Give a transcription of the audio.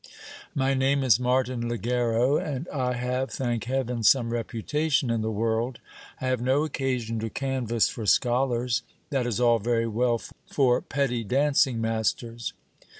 My name is Martin Ligero, and I have, thank heaven, some reputation in the world. I have no occasion to can vass for scholars ; that is all very well for petty dancing masters